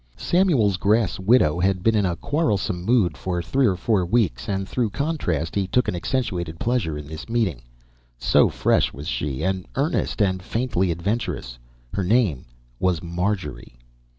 Samuel's grass widow had been in a quarrelsome mood for three or four weeks, and through contrast, he took an accentuated pleasure in this meeting; so fresh was she, and earnest, and faintly adventurous. Her name was Marjorie.